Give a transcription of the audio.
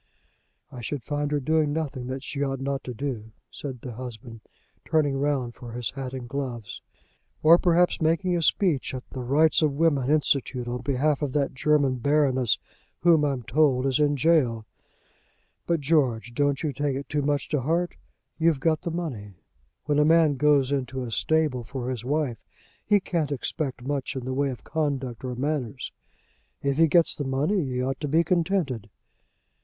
"I should find her doing nothing that she ought not to do," said the husband, turning round for his hat and gloves. "Or perhaps making a speech at the Rights of Women Institute on behalf of that German baroness who, I'm told, is in gaol. But, George, don't you take it too much to heart. You've got the money. When a man goes into a stable for his wife, he can't expect much in the way of conduct or manners. If he gets the money he ought to be contented."